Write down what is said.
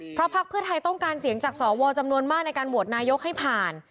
เพราะพักเพื่อไทยต้องการเสียงจากสวจำนวนมากในการโหวตนายกให้ผ่าน